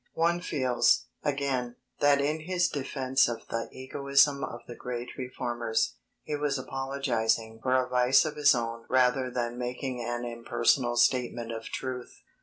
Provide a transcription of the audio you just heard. One feels, again, that in his defence of the egoism of the great reformers, he was apologizing for a vice of his own rather than making an impersonal statement of truth.